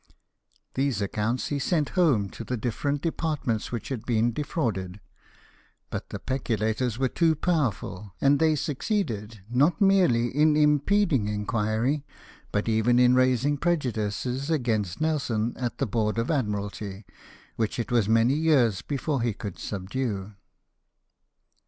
These accounts he sent home to the different departments which had been defrauded ; but the peculators were too powerful, and they succeeded not merely in impeding inquiry, but even in raising prejudices against Nelson at the Board of Admiralty, which it was many years before he could subdue.